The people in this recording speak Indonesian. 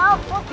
nih kamu tuh